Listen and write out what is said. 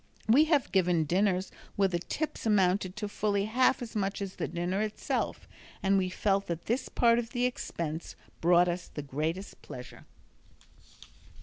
We have given dinners where the tips amounted to fully half as much as the dinner itself, and we felt that this part of the expense brought us the greatest pleasure.